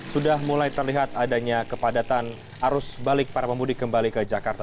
sudah mulai terlihat adanya kepadatan arus balik para pemudik kembali ke jakarta